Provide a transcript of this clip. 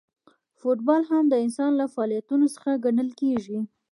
فوټبال هم د انسان له فعالیتونو څخه ګڼل کیږي.